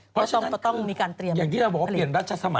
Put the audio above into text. พอฉะนั้นคือก็ต้องมีการเตรียม